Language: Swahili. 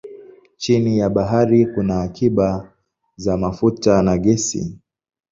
Chini ya bahari kuna akiba za mafuta na gesi.